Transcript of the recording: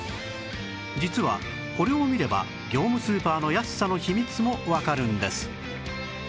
実はこれを見れば業務スーパーの安さの秘密もわかるんです